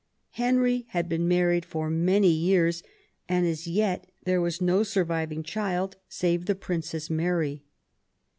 Henry had been married for many years, and as yet there was no surviving child save the Princess Mary.